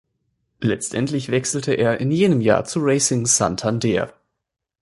Letztlich wechselte er in jenem Jahr zu Racing Santander.